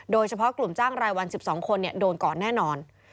โดยเฉพาะกลุ่มจ้างรายวัน๑๒คนโดนก่อนแน่นอน